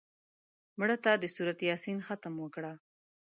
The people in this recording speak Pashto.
مړه ته د سورت یاسین ختم وکړه